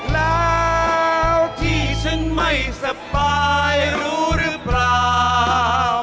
แล้วที่ฉันไม่สบายรู้หรือเปล่า